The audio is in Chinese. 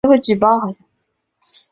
父亲戈启宗。